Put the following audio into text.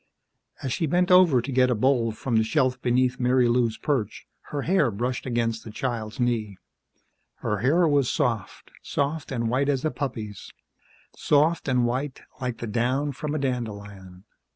As she bent over to get a bowl from the shelf beneath Marilou's perch, her hair brushed against the child's knee. Her hair was soft, soft and white as a puppy's, soft and white like the down from a dandelion.